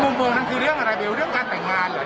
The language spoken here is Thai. เบอร์นั้นคือเรื่องอะไรเบลเรื่องการแต่งงานเหรอ